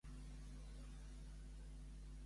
Quin fet va ocórrer va passar el segon dia de gener?